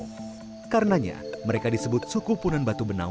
mereka hidup di sepanjang tepian sungai sajau dan hutan di sekeliling gunung batu benau